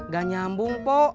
gak nyambung pok